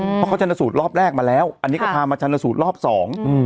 เพราะเขาชนสูตรรอบแรกมาแล้วอันนี้ก็พามาชันสูตรรอบสองอืม